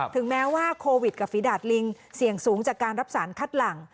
ถึงแม้ว่าโควิดกับฝีดาดลิงเสี่ยงสูงจากการรับสารคัดหลัง